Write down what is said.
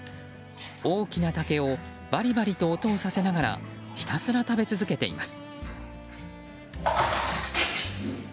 大きな竹をバリバリと音をさせながらひたすら食べ続けています。